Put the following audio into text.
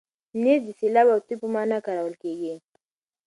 نیز د سیلاب او توی په مانا کارول کېږي.